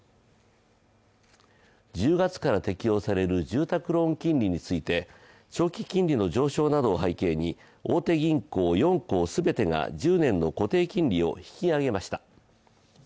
１０月から適用される住宅ローン金利について長期金利の上昇などを背景に大手銀行４行全てが１０年固定金利を引き上げました。